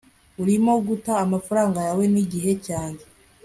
urimo guta amafaranga yawe nigihe cyanjye